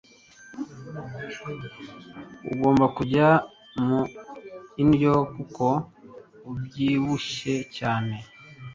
Ugomba kujya mu ndyo kuko ubyibushye cyane.